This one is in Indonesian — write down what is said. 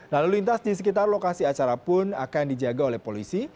lalu lintas di sekitar lokasi acara pun akan dijaga oleh polisi